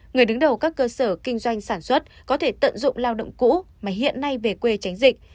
người đứng đầu các cơ sở kinh doanh sản xuất có thể tận dụng lao động cũ mà hiện nay về quê tránh dịch